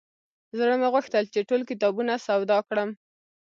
زړه مې غوښتل چې ټول کتابونه سودا کړم.